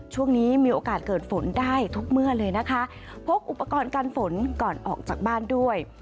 ช่วงนี้มีโอกาสเกิดฝนได้ทุกเมื่อเลยนะคะพกอุปกรณ์การฝนก่อนออกจากบ้านด้วย